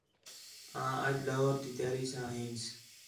آں اَج لاہور تی تیاری ساں ہینس